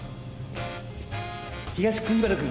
東国原君。